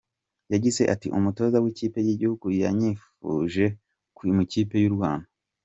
Yagize ati “Umutoza w’ikipe y’igihugu yanyifuje mu ikipe y’u Rwanda.